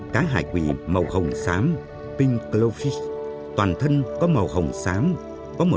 cá hải quỳ màu hồng xám pink glowfish toàn thân có màu hồng xám có một vạch đứng ở mang